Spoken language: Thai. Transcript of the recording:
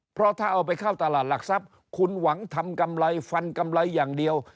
เพราะถ้าเอาไปเข้าตลาดหลักทรัพย์คุณหวังทำกำไรฟันกำไรอย่างเดียว